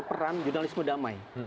peran jurnalisme damai